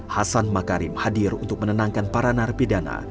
hasan makarim hadir untuk menenangkan para narapidana